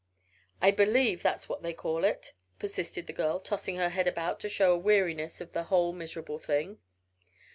"I believe that's what they call it," persisted the girl, tossing her head about to show a weariness of the "whole miserable thing."